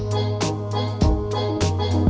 ทุกที่ว่าใช่ไหม